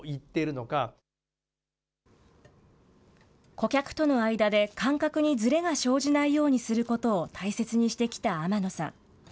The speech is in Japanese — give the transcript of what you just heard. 顧客との間で、感覚にずれが生じないようにすることを大切にしてきた天野さん。